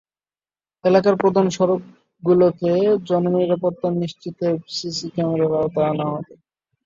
এলাকার প্রধান সড়ক গুলোতে জননিরাপত্তা নিশ্চিতে সিসি ক্যামেরার আওতায় আনা হবে।